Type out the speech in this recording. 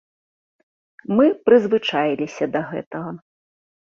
Мы прызвычаіліся да гэтага.